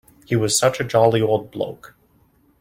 He was such a jolly old bloke.